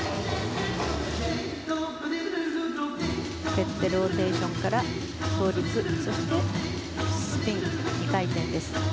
フェッテローテーションから倒立、そしてスピン２回転です。